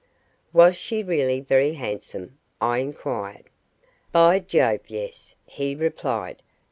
"Was she really very handsome?" I inquired. "By Jove, yes!" he replied.